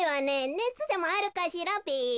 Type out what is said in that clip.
ねつでもあるかしらべ。